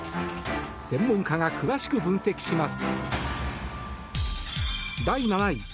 専門家が詳しく分析します。